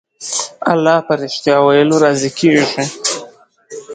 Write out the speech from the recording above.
الله په رښتيا ويلو راضي کېږي.